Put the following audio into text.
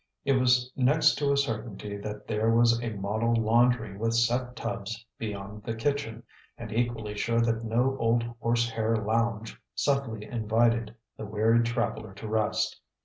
It was next to a certainty that there was a model laundry with set tubs beyond the kitchen, and equally sure that no old horsehair lounge subtly invited the wearied traveler to rest.